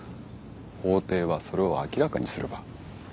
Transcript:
法廷はそれを明らかにする場。